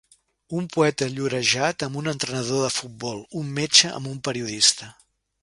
Un poeta llorejat amb un entrenador de futbol, un metge amb un periodista.